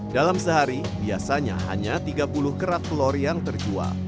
dalam sehari biasanya hanya tiga puluh kerak telur yang terjual